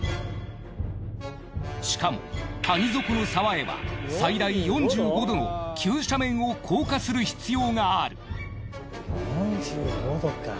しかも谷底の沢へは最大４５度の急斜面を降下する必要がある。